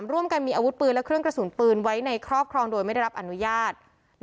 ร่วมกันมีอาวุธปืนและเครื่องกระสุนปืนไว้ในครอบครองโดยไม่ได้รับอนุญาต